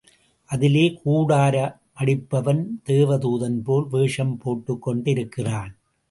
அதிலே, கூடார மடிப்பவன், தேவ தூதன்போல் வேஷம் போட்டுக் கொண்டிருக்கிறான்.